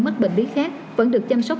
mắc bệnh lý khác vẫn được chăm sóc